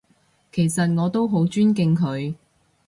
其實我都好尊敬佢